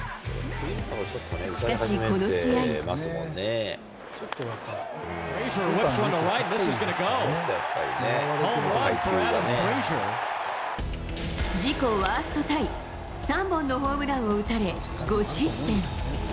しかし、この試合。自己ワーストタイ、３本のホームランを打たれ５失点。